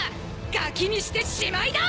ガキにしてしまいだ！